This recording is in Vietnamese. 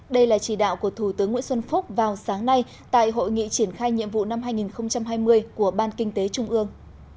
đây là chỉ đạo của thủ tướng nguyễn xuân phúc vào sáng nay tại hội nghị triển khai nhiệm vụ năm hai nghìn hai mươi của ban kinh tế trung ương